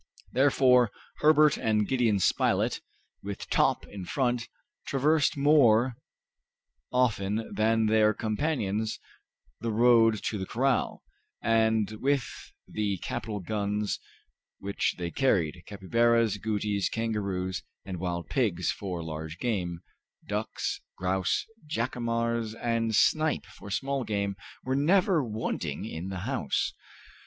Therefore Herbert and Gideon Spilett, with Top in front, traversed more often than their companions the road to the corral, and with the capital guns which they carried, capybaras, agouties, kangaroos, and wild pigs for large game, ducks, grouse, jacamars, and snipe for small game, were never wanting in the house.